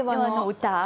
歌？